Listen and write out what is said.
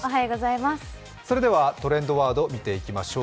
それではトレンドワード見ていきましょう。